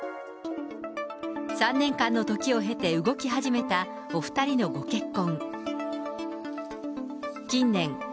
３年間の時を経て、動き始めたお２人のご結婚。